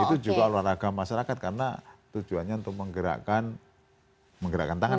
itu juga olahraga masyarakat karena tujuannya untuk menggerakkan menggerakkan tangan